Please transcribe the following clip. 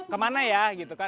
kemana ya gitu kan